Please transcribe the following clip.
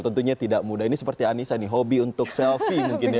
tentunya tidak mudah ini seperti anissa nih hobi untuk selfie mungkin ya